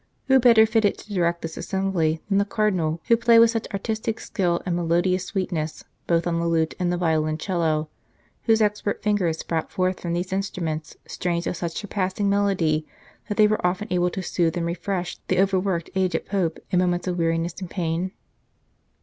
Who better fitted to direct this assembly than the Cardinal, who played with such artistic skill and melodious sweetness both on the lute and the violoncello, whose expert fingers brought forth 34 The Church of Peace from these instruments strains of such surpassing melody that they were often able to soothe and refresh the overworked aged Pope in moments of weariness and pain